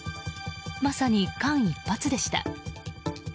まさに間一髪でした。